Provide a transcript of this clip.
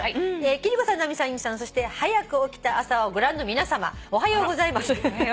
「貴理子さん直美さん由美さんそして『はやく起きた朝は』をご覧の皆さまおはようございます。